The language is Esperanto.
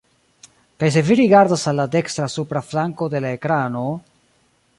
Kaj se vi rigardas al la dekstra supra flanko de la ekrano…